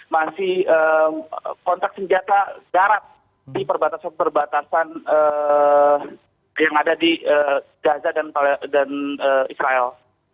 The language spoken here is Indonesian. masih kontak senjata darat di perbatasan perbatasan yang ada di gaza dan israel